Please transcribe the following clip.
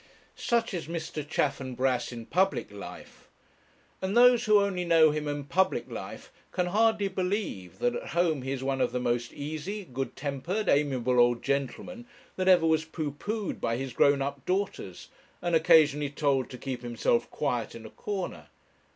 Such is Mr. Chaffanbrass in public life; and those who only know him in public life can hardly believe that at home he is one of the most easy, good tempered, amiable old gentlemen that ever was pooh poohed by his grown up daughters, and occasionally told to keep himself quiet in a corner.